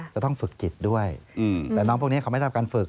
จะต้องฝึกจิตด้วยแต่น้องพวกนี้เขาไม่รับการฝึก